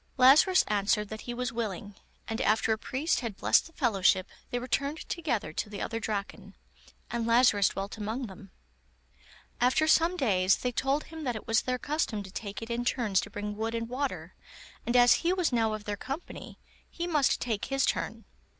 Lazarus answered that he was willing, and after a priest had blessed the fellowship, they returned together to the other Draken, and Lazarus dwelt among them. After some days they told him that it was their custom to take it in turns to bring wood and water, and as he was now of their company, he must take his turn.